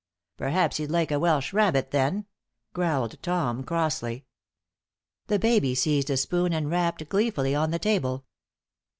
"Perhaps he'd like a Welsh rabbit, then?" growled Tom, crossly. The baby seized a spoon and rapped gleefully on the table.